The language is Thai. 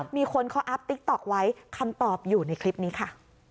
มีคนเขาอัพติ๊กต๊อกไว้คำตอบอยู่ในคลิปนี้ค่ะ